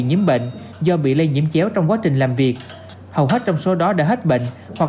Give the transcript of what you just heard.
nhiễm bệnh do bị lây nhiễm chéo trong quá trình làm việc hầu hết trong số đó đã hết bệnh hoặc